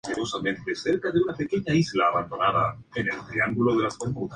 Sus dibujos aparecieron regularmente en los diarios "Clarín" y "Le Monde".